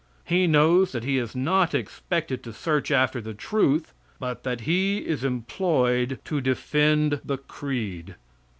He knows that he is not expected to search after the truth, but that he is employed to defend the creed.